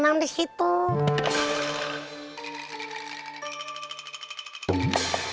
apa yang kamu lakukan